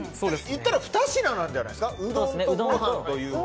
言ったらふた品なんじゃないですか？